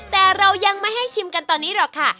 แต่เรายังไม่ให้ชิมกันตอนนี้หรอกค่ะ